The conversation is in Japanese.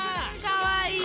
かわいい！